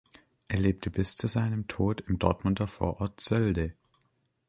Er lebte bis zu seinem Tod im Dortmunder Vorort Sölde.